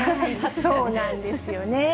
そうなんですよね。